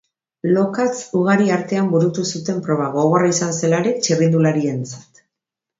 Lokatz ugari artean burutu zuten proba, gogorra izan zelarik txirrindularientzat.